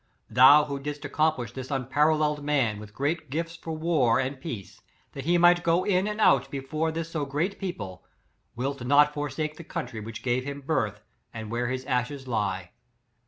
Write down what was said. Thou who didst accomplish this unparal leled man with rich gifts for war and peace, that he might go in and out before this so great people, wilt not forsake the country that gave him birth and where his ashes lie.